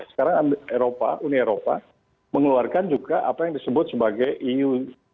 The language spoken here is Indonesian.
sekarang uni eropa mengeluarkan juga apa yang disebut sebagai eu